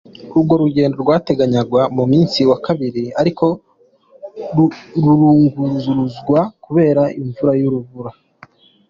Urwo rugendo rwategekanywa ku munsi wa kabiri ariko rurunguruzwa kubera imvura y'urubura.